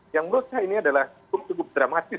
yang menurut saya ini adalah cukup dramatis